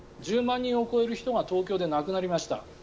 １０万人を超える人が東京で亡くなりました。